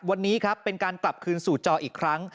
วันนี้ครับเป็นการกลับคืนสู่จออีกครั้ง